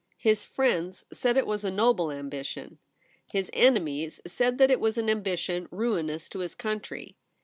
His friends said it was a noble ambition ; his enemies said that it was an ambition ruinous to his country.